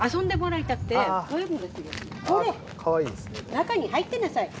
中に入ってなさい。